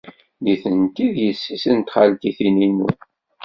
Nitenti d yessi-s n txaltitin-inu.